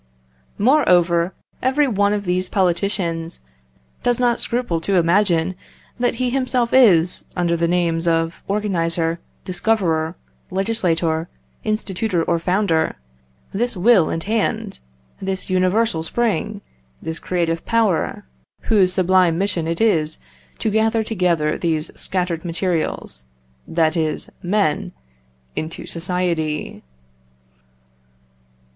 Moreover, every one of these politicians does not scruple to imagine that he himself is, under the names of organiser, discoverer, legislator, institutor or founder, this will and hand, this universal spring, this creative power, whose sublime mission it is to gather together these scattered materials, that is, men, into society.